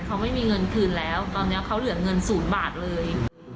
เขาไม่มีเงินคืนแล้วตอนนี้เขาเหลือเงิน๐บาทเลย